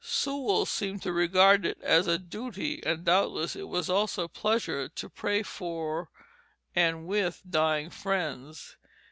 Sewall seemed to regard it as a duty, and doubtless it was also a pleasure, to pray for and with dying friends.